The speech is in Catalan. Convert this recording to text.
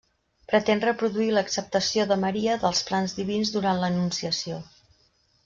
Pretén reproduir l'acceptació de Maria dels plans divins durant l'Anunciació.